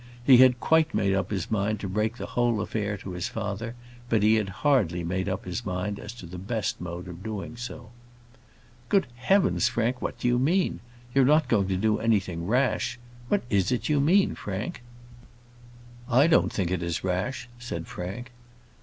He had quite made up his mind to break the whole affair to his father; but he had hardly made up his mind as to the best mode of doing so. "Good heavens, Frank! what do you mean? you are not going to do anything rash? What is it you mean, Frank?" "I don't think it is rash," said Frank.